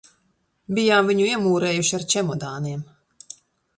Bijām viņu iemūrējuši ar čemodāniem.